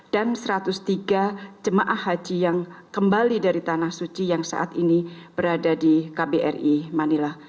dan satu ratus tiga jemaah haji yang kembali dari tanah suci yang saat ini berada di kbri manila